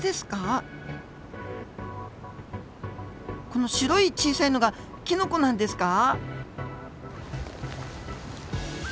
この白い小さいのがキノコなんですか？